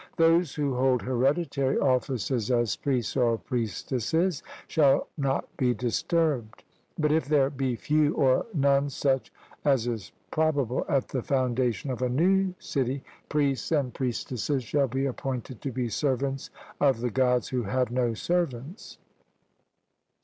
Those who hold hereditary offices as priests or priestesses, shall not be disturbed; but if there be few or none such, as is probable at the foundation of a new city, priests and priestesses shall be appointed to be servants of the Gods who have no servants.